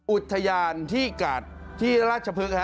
อุทยานที่กาดที่ราชพฤกษ์